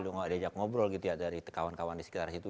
tidak ada yang ngobrol dari kawan kawan di sekitar situ